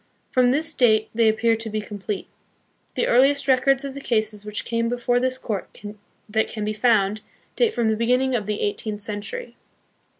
From this date they ap pear to be complete. The earliest records of the cases which came before this court that can be found, date from the beginning of the eighteenth century.